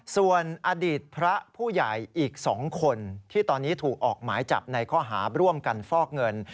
ส่วนอดีตพระผู้ใหญ่อีก๒คนที่ตอนนี้ถูกออกหมายจับในข้อหาร่วมกันฟอกเงิน